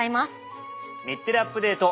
『日テレアップＤａｔｅ！』